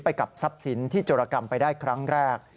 ไปกับทรัพย์สินที่โจรกรรมไปได้ครั้งแรก